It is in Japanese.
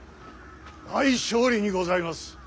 大勝利にございます。